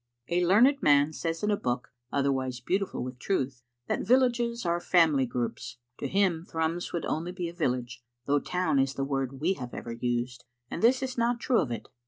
A LEARNED man says in a book, otherwise beautiful with truth, that villages are family groups. To him Thrums would only be a village, though town is the word we have ever used, and this is not true of it.